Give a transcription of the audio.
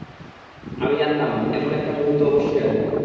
আমি জানতাম, এমন একটা মুহূর্ত অবশ্যই আসবে।